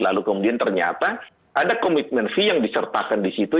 lalu kemudian ternyata ada komitmen fee yang disertakan di situ